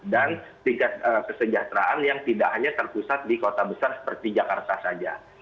dan tingkat kesejahteraan yang tidak hanya terpusat di kota besar seperti jakarta saja